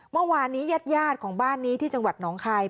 เมื่อวานนี้ญาติของบ้านนี้ที่จังหวัดหนองคาย